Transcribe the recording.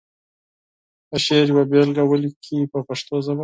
د شعر یوه بېلګه ولیکي په پښتو ژبه.